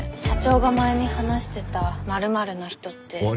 社長が前に話してたまるまるの人って。